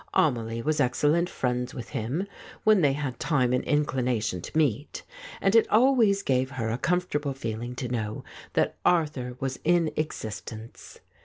Amelie was excellent friends with him, when they had time and inclination to meet, and it always gave her a comfortable feeling to know that Arthur was in exist ence.